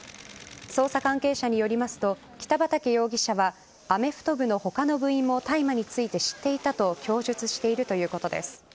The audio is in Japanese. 捜査関係者によりますと北畠容疑者はアメフト部の他の部員も大麻について知っていたと供述しているということです。